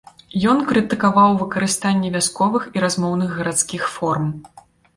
Ён крытыкаваў выкарыстанне вясковых і размоўных гарадскіх форм.